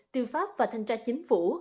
tư pháp và thanh tra chính phủ